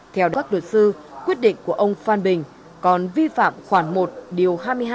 theo các đột sư quyết định của ông phan bình còn vi phạm khoảng một điều hai mươi hai